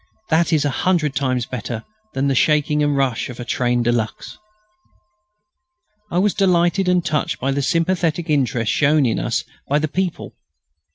That is a hundred times better than the shaking and rush of a train de luxe. I was delighted and touched by the sympathetic interest shown in us by the people.